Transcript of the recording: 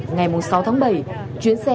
ngày sáu tháng bảy chuyến xe